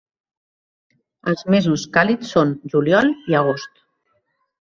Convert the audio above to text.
Els mesos càlids són juliol i agost.